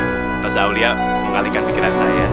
ustadz aulia mengalihkan pikiran saya